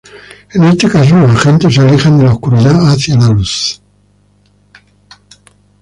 En este caso, los agentes se alejan de la oscuridad hacia la luz.